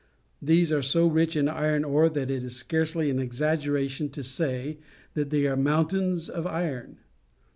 These are so rich in iron ore that it is scarcely an exaggeration to say that they are mountains of iron.